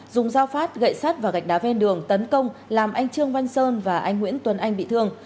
dùng dao phát gậy sắt và gạch đá ven đường tấn công làm anh trương văn sơn và anh nguyễn tuấn anh bị thương